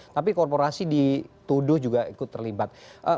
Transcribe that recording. tapi korporasi dituduh juga ikut terlibat